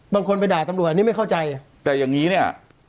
บางคนไปด่าตำลวดันนี่ไม่เข้าใจแต่อย่างงี้เนี่ย